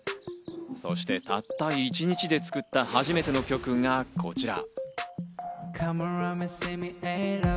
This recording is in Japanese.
そしてたった一日で作った初めての曲がこちら。